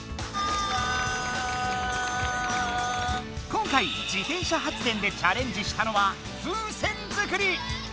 今回自転車発電でチャレンジしたのは風船作り！